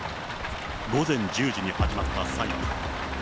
午前１０時に始まった裁判。